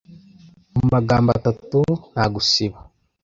mu magambo atatu nta gusiba